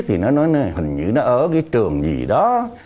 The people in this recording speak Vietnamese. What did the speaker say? thì nó nói hình như nó ở cái trường gì đó